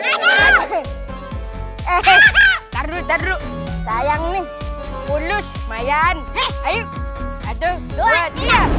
aduh baru terlalu sayang nih mulus mayan hai aduh luat ya